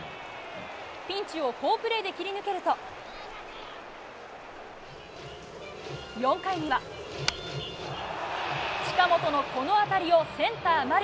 ピンチを好プレーで切り抜けると４回には近本のこの当たりをセンター、丸。